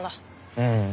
うん。